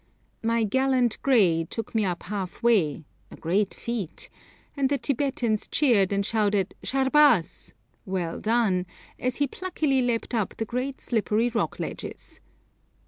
My 'gallant grey' took me up half way a great feat and the Tibetans cheered and shouted 'Sharbaz!' ('Well done!') as he pluckily leapt up the great slippery rock ledges.